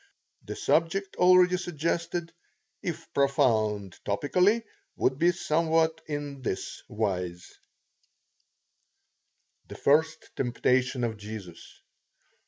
The subject already suggested, if profound topically, would be somewhat in this wise: The first temptation of Jesus.